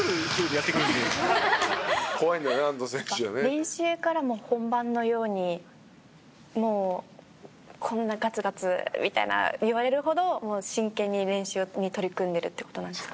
練習からもう本番のようにもうこんなガツガツみたいな言われるほど真剣に練習に取り組んでるって事なんですか？